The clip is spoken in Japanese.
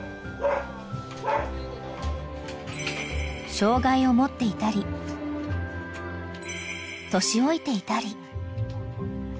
［障害を持っていたり年老いていたり］